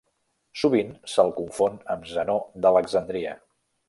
Sovint se'l confon amb Zenó d'Alexandria.